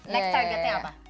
next targetnya apa